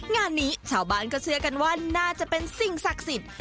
งานนี้ชาวบ้านก็เชื่อกันว่าน่าจะเป็นสิ่งศักดิ์สิทธิ์